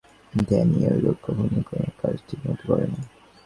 Danny, ঐ লোক কখনোই কোনো কাজ ঠিকমতো করে না।